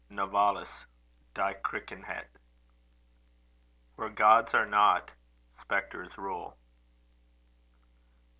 NOVALIS. Christenheit. Where gods are not, spectres rule.